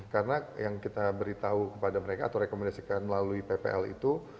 karena yang kita beritahu kepada mereka atau rekomendasikan melalui ppl itu